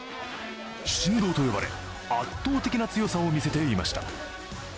神童と呼ばれ、圧倒的な強さを見せていました。